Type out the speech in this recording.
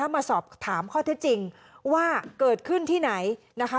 มาสอบถามข้อเท็จจริงว่าเกิดขึ้นที่ไหนนะคะ